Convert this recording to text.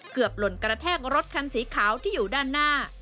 หล่นกระแทกรถคันสีขาวที่อยู่ด้านหน้า